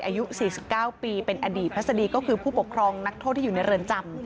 อายุ๔๙ปีเป็นอดีตพัศดีก็คือผู้ปกครองนักโทษที่อยู่ในเรือนจำ